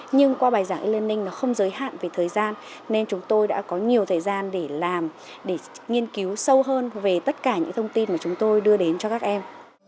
nhưng qua bài giảng e learning nó không giới hạn về thời gian nên chúng tôi đã có nhiều thời gian để làm để nghiên cứu sâu hơn về tất cả những thông tin mà chúng tôi đưa đến cho các em